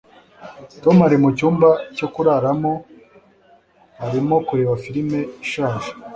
Tom ari mucyumba cyo kuraramo arimo kureba firime ishaje.